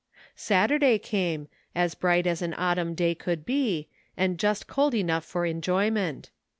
Saturday came, as bright as an autumn day could be, and just cold enough for enjoyment.